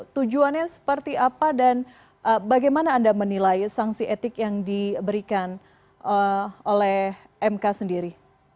tujuannya seperti apa dan bagaimana anda menilai sanksi etik yang diberikan oleh mk sendiri